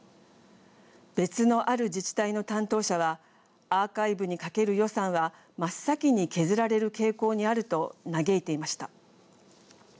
別のある自治体の担当者はアーカイブにかける予算は真っ先に削られる傾向にあると嘆いていました。